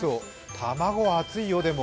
卵、熱いよ、でも。